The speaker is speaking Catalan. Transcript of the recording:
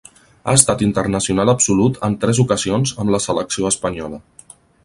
Ha estat internacional absolut en tres ocasions amb la Selecció espanyola.